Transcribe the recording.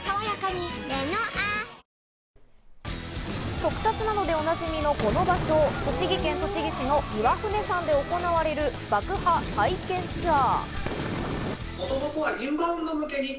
特撮などでおなじみのこの場所、栃木県栃木市の岩船山で行われる爆破体験ツアー。